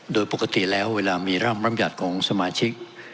โดยปกติแล้วเวลามีร่างรำยัติของสมาชิก